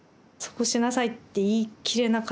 そうしなさいって言い切れなかったのかは。